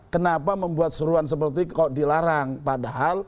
kenapa membuat seruan seperti kok dilarang tidak saat itu adalah selesai